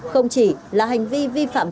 không chỉ là hành vi vi phạm